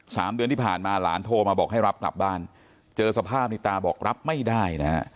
สามเดือนที่ผ่านมาหลานโทรมาบอกให้รับกลับบ้านเจอสภาพนี้ตาบอกรับไม่ได้นะฮะ